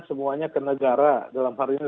semuanya ke negara dalam hal ini